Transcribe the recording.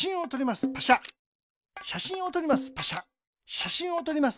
しゃしんをとります。